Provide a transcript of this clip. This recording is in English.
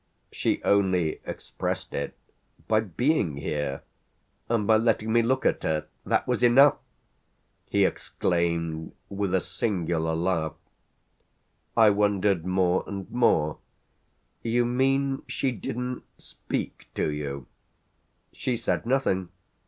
"She only expressed it by being here and by letting me look at her. That was enough!" he exclaimed with a singular laugh. I wondered more and more. "You mean she didn't speak to you?" "She said nothing.